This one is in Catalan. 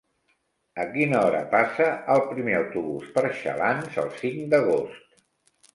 A quina hora passa el primer autobús per Xalans el cinc d'agost?